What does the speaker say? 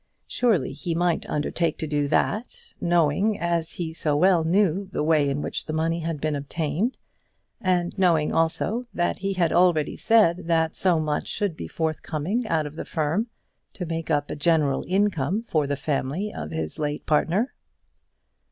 Surely he might undertake to do that, knowing, as he so well knew, the way in which the money had been obtained, and knowing also that he had already said that so much should be forthcoming out of the firm to make up a general income for the family of his late partner.